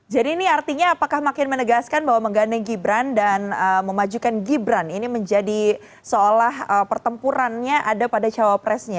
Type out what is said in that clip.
jadi ini artinya apakah makin menegaskan bahwa menggane gibran dan memajukan gibran ini menjadi seolah pertempurannya ada pada cawapun